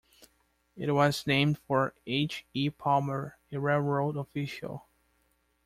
It was named for H. E. Palmer, a railroad official.